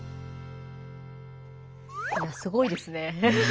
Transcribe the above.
いやすごいですね。